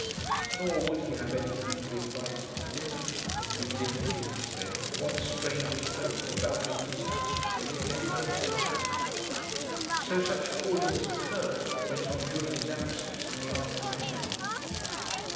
Nor would he have any people invited to dinner. He didn't, he had explained, want strangers poking about in his house when he came home tired. So such calling as occurred went on during his absence in the afternoon.